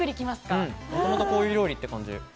もともとこういう料理という感じ。